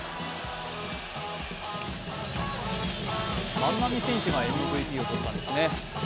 万波選手がＭＶＰをとったんですね。